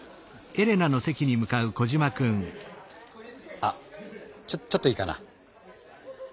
あちょちょっといいかな？